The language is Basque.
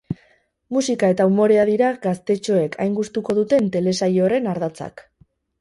Musika eta umorea dira gaztetxoek hain gustuko duten telesail horren ardatzak.